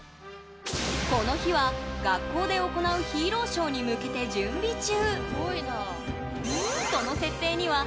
この日は学校で行うヒーローショーに向けて準備中。